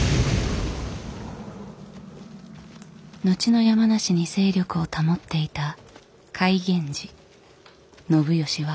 後の山梨に勢力を保っていた甲斐源氏。